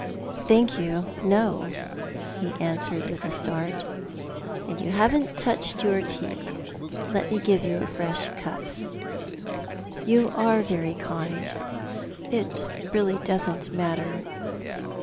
" Thank you, no," he answered, with a start. "And you haven't touched your tea. Let me give you a fresh cup." " You are very kind. It really doesn't matter."